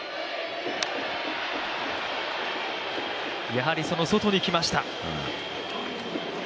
やはりその外に来ました。